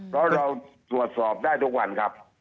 เพราะเราตรวจสอบได้ทุกวันครับ